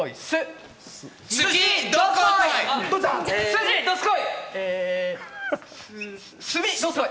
どすこい！